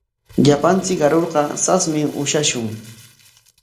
Llapanchik arurqa sasmi ushashun.